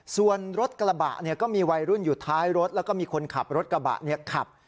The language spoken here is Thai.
ส่วนรถกระบะก็มีวัยรุ่นอยู่ท้ายรถแล้วก็มีคนขับรถกระบะขับ